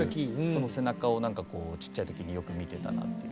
その背中をちっちゃい時によく見てたなって。